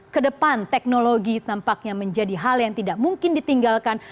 kedepan teknologi tampaknya menjadi hal yang tidak mungkin ditinggalkan